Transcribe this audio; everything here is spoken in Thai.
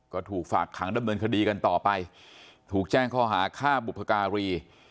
ก็ถูกฝากขังดำเนินคดีกันต่อไปถูกแจ้งข้อหาฆ่าบุพการี